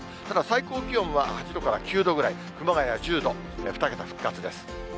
ただ、最高気温は８度から９度ぐらい、熊谷１０度、２桁復活です。